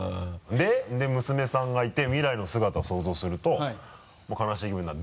で娘さんがいて未来の姿を想像すると悲しい気分になる。